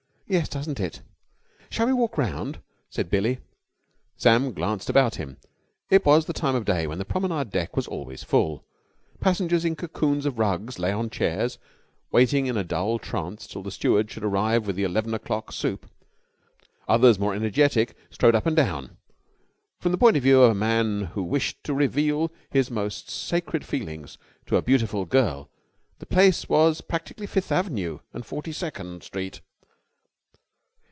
"Yes, doesn't it?" "Shall we walk round?" said Billie. Sam glanced about him. It was the time of day when the promenade deck was always full. Passengers in cocoons of rugs lay on chairs, waiting in a dull trance till the steward should arrive with the eleven o'clock soup. Others, more energetic, strode up and down. From the point of view of a man who wished to reveal his most sacred feelings to a beautiful girl, the place was practically Fifth Avenue and Forty second Street.